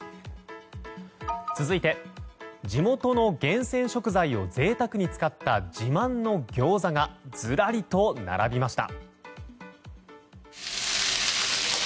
続いて、地元の厳選食材を贅沢に使った自慢の餃子がずらりと並びました。